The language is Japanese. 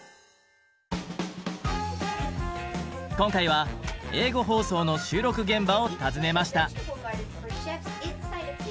今回は英語放送の収録現場を訪ねました。